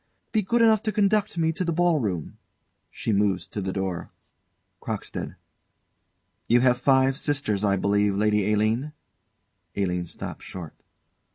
Be good enough to conduct me to the ball room. [She moves to the door. CROCKSTEAD. You have five sisters, I believe, Lady Aline? [ALINE _stops short.